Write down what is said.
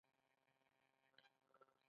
کلکته د کلتور مرکز دی.